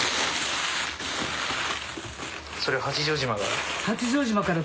それ八丈島から？